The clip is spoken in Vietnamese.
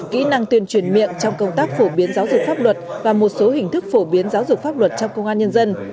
kỹ năng tuyên truyền miệng trong công tác phổ biến giáo dục pháp luật và một số hình thức phổ biến giáo dục pháp luật trong công an nhân dân